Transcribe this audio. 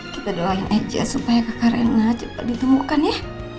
kita doain aja supaya kakak reina cepat ditemukan ya